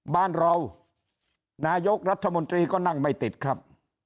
บ้านเรานายกรัฐมนตรีก็นั่งไม่ติดครับ